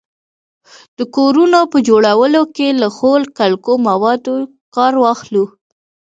د کورونو په جوړولو کي له ښو کلکو موادو کار واخلو